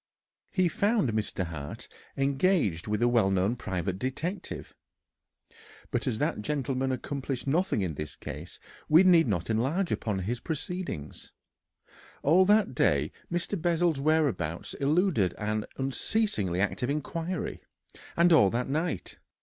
He found Mr. Hart engaged with a well known private detective, but as that gentleman accomplished nothing in this case, we need not enlarge upon his proceedings. All that day Mr. Bessel's whereabouts eluded an unceasingly active inquiry, and all that night.